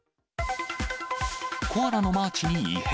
コアラのマーチに異変。